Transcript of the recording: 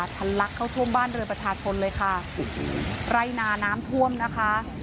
ทันลักเข้าท่วมบ้านเรือประชาชนเลยค่ะไร่นาน้ำท่วมนะคะ